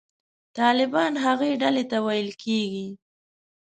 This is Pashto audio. طالبان هغې ډلې ته ویل کېږي.